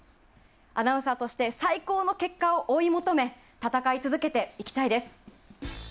アナウンサーとして最高の結果を追い求め戦い続けていきたいです。